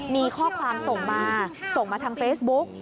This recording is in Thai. มีข้อความส่งมาส่งมาทางเฟซบุ๊ก